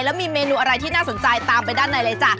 แล้วมีเมนูอะไรที่น่าสนใจตามไปด้านในเลยจ้ะ